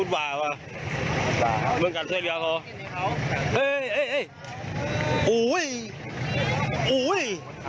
โอ้โฮ้ยโอ้โฮ้ย